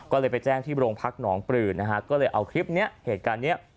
ก็เลยไปแจ้งที่โรงพักหนองปลือนะฮะก็เลยเอาคลิปเนี้ยเหตุการณ์เนี้ย